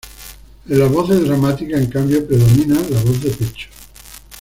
En las voces dramáticas, en cambio, predomina la voz de pecho.